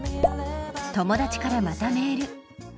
友達からまたメール。